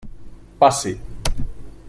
Passi.